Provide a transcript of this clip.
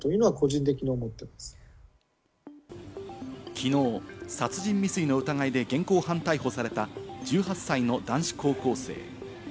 きのう殺人未遂の疑いで現行犯逮捕された１８歳の男子高校生。